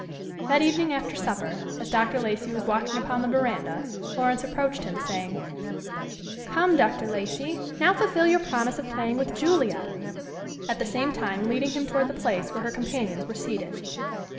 That evening after supper, as Dr. Lacey was walking upon the veranda, Florence approached him, saying, "Come, Dr. Lacey, now fulfill your promise of playing with Julia," at the same time leading him toward the place where her companions were seated.